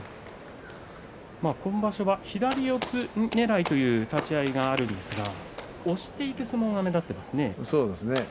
今場所は左四つねらいという立ち合いがあるんですが押していく相撲が目立っていますね。